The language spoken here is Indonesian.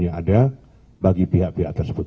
yang ada bagi pihak pihak tersebut